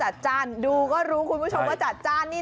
จ้านดูก็รู้คุณผู้ชมว่าจัดจ้านนี่